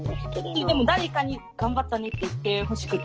でも誰かに頑張ったねって言ってほしくて。